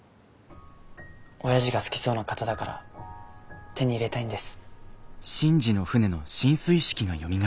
おやじが好きそうな型だから手に入れたいんです。